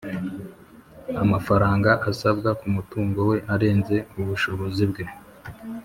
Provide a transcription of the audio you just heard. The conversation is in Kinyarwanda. amafaranga asabwa ku mutungo we arenze ubushobozi bwe